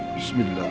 pergi ke dalam